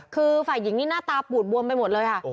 คือฝ่ายหญิงนี่หน้าตาปูดบวมไปหมดเลยค่ะ